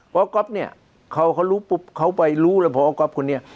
พอก๊อปเนี่ยเขาไปรู้แล้วพอก๊อปคนนี้